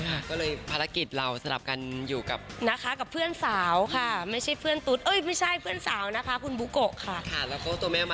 ก็เลยภาระกิจเราสลับกันอยู่กับเพื่อนสาวค่ะไม่ใช่เพื่อนสาวนะคะคุณบุโกะค่ะ